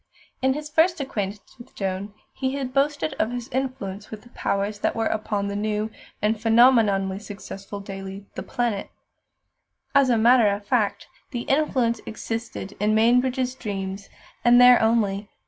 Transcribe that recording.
In his first acquaintance with Joan he had boasted of his "influence" with the powers that were upon that new and phenomenally successful daily, The Planet. As a matter of fact, the influence existed in Mainbridge's dreams, and there only.